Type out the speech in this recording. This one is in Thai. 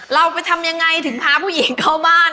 เราไปทำยังไงถึงพาผู้หญิงเข้าบ้าน